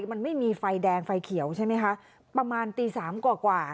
มันไม่มีไฟแดงไฟเขียวใช่ไหมคะประมาณตีสามกว่า